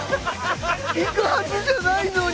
行くはずじゃないのに。